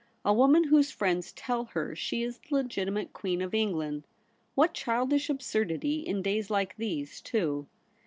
A woman whose friends tell her she is the legitimate Queen of England. What childish absurdity — in days like these, too